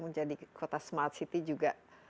menjadi kota smart city juga